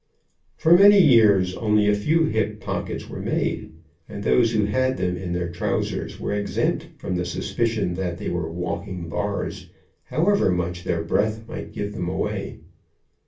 For many years only a few hip pockets were made, and those who had them in their trousers were exempt from the suspicion that they were walking bars, how ever much their breath might give them away.